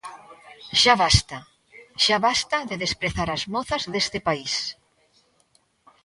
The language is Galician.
¡Xa basta, xa basta de desprezar as mozas deste país!